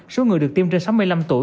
số người được tiêm trên sáu mươi năm tuổi